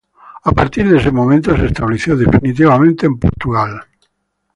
A partir de ese momento se estableció definitivamente en Portugal.